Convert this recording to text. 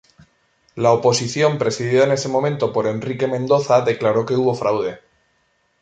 La oposición presidida en ese momento por Enrique Mendoza declaró que hubo fraude.